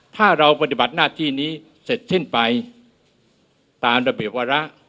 ถ้าเราปฏิบัติหน้าที่นี้เสร็จสิ้นไปตามระเบียบวาระ